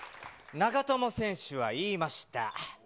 長友選手は言いました。